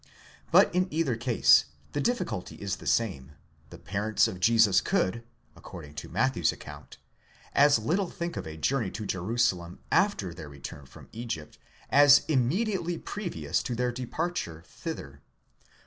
But in either case the difficulty is the same; the parents of Jesus could, according to Matthew's account, as little think of a journey to Jerusalem after their return from Egypt, as immediately previous to their departure thither.